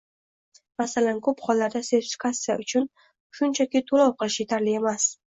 Masalan, ko‘p hollarda sertifikatsiya uchun shunchaki to‘lov qilish yetarli emas.